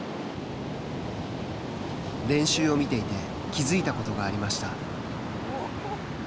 練習を見ていて気付いたことがありました。